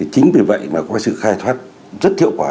chính vì vậy mà có sự khai thoát rất thiệu quả